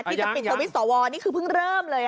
ที่จะปิดสวิตชอนี่คือเพิ่งเริ่มเลย